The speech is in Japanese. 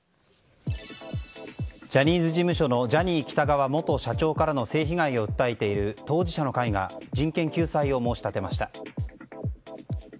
ジャニーズ事務所のジャニー喜多川元社長からの性被害を訴えている当事者の会が人権救済を申し立てました。